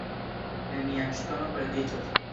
Nenia ŝtono perdiĝos.